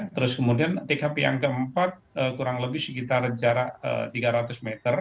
terus kemudian tkp yang keempat kurang lebih sekitar jarak tiga ratus meter